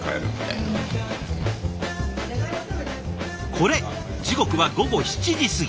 これ時刻は午後７時過ぎ。